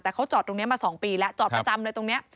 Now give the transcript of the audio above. แต่เขาจอดตรงนี้มา๒ปีแล้วจอดประจำเลยตรงนี้